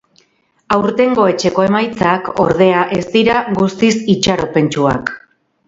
Aurtengo etxeko emaitzak, ordea, ez dira guztiz itxaropentsuak.